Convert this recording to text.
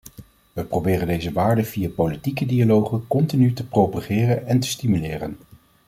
We proberen deze waarden via politieke dialogen continu te propageren en te stimuleren.